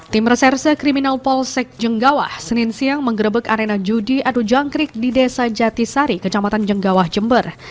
tim reserse kriminal polsek jenggawah senin siang menggerebek arena judi adu jangkrik di desa jatisari kecamatan jenggawah jember